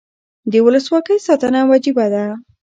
د ولسواکۍ ساتنه وجیبه ده